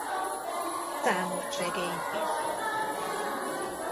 Számos regényt írt.